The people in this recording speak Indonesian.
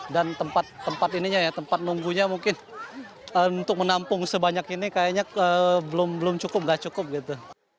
dan tempat tempat ininya ya tempat nunggunya mungkin untuk menampung sebanyak ini kayaknya belum cukup gak cukup gitu